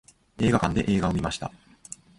映画館で映画を観ました。